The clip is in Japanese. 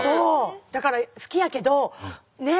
だから好きやけどねっ。